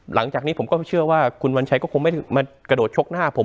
หลังจากนี้ผมก็เชื่อว่าคุณวัญชัยก็คงไม่มากระโดดชกหน้าผม